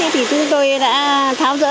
thì chúng tôi đã tháo rỡ